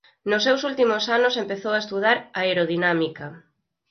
Nos seus últimos anos empezou a estudar aerodinámica.